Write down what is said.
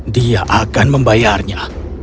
dia akan membayarnya